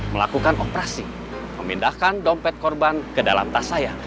melakukan operasi memindahkan dompet korban ke dalam tas saya